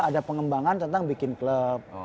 ada pengembangan tentang bikin klub